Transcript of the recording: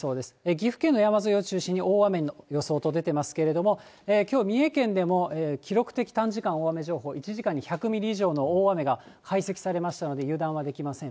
岐阜県の山沿いを中心に大雨の予想と出てますけども、きょう、三重県でも記録的短時間大雨情報、１時間に１００ミリ以上の大雨が解析されましたので、油断はできません。